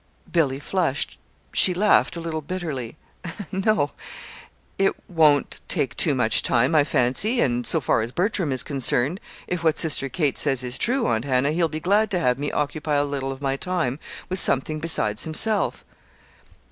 Billy flushed. She laughed a little bitterly. "No, it won't take too much time, I fancy, and so far as Bertram is concerned if what Sister Kate says is true, Aunt Hannah, he'll be glad to have me occupy a little of my time with something besides himself."